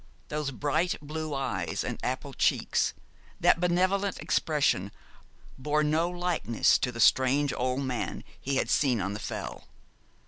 Those bright blue eyes and apple cheeks, that benevolent expression, bore no likeness to the strange old man he had seen on the Fell.